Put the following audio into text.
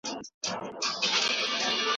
د رابعې د تندي ګونځې ډېرې ژورې شوې.